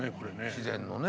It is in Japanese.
自然のね。